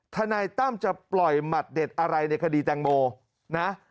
ทนายตั้มจะปล่อยหมัดเด็ดอะไรในคดีแตงโมนะ